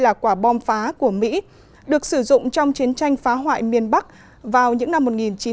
là quả bom phá của mỹ được sử dụng trong chiến tranh phá hoại miền bắc vào những năm một nghìn chín trăm sáu mươi tám một nghìn chín trăm bảy mươi